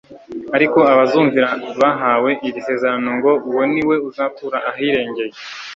Ariko abazumvira bahawe iri sezerano ngo: « uwo ni we uzatura ahirengeye,